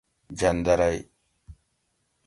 جندرئ